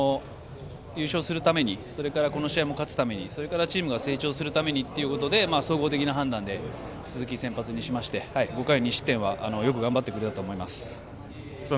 優勝するためにそしてこの試合勝つためにチームが成長するためにということで総合的な判断で鈴木を先発にしましてよく頑張ってくれたと思います。